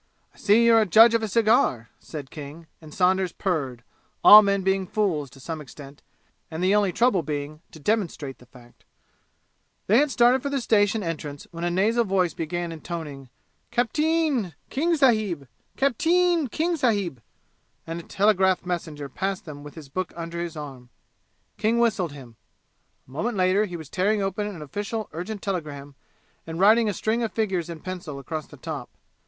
"I see you're a judge of a cigar," said King, and Saunders purred, all men being fools to some extent, and the only trouble being to demonstrate the fact. They had started for the station entrance when a nasal voice began intoning, "Cap teen King sahib Cap teen King sahib!" and a telegraph messenger passed them with his book under his arm. King whistled him. A moment later he was tearing open an official urgent telegram and writing a string of figures in pencil across the top.